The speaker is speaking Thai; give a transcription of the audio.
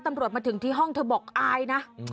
ตำรวจมาถึงที่ห้องเธอบอกอายนะ